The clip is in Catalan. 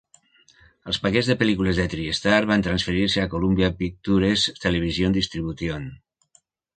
Els paquets de pel·lícules de Tri-Star van transferir-se a Columbia Pictures Television Distribution.